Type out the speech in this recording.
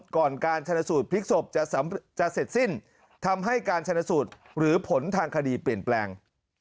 ก่อนการชนสูตรพลิกศพจะเสร็จสิ้นทำให้การชนสูตรหรือผลทางคดีเปลี่ยนแปลง